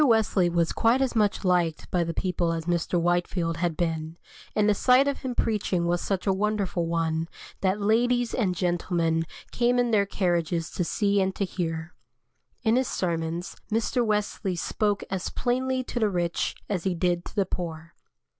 Wesley was quite as much liked by the people as Mr. Whitefield had been, and the sight of him preaching was such a wonderful one, that ladies and gentlemen came in their carriages to see and to hear. In his sermons, Mr. Wesley spoke as plainly to the rich as he did to the poor.